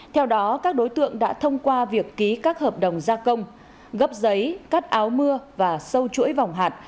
theo đó các đối tượng đã thông qua việc ký các hợp đồng gia công gấp giấy cắt áo mưa và sâu chuỗi vòng hạt